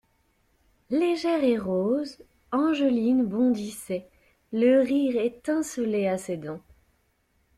Légère et rose, Angeline bondissait: le rire étincelait à ses dents.